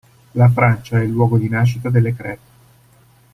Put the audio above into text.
La Francia è il luogo di nascita delle crepes.